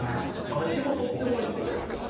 味もとってもおいしかったです。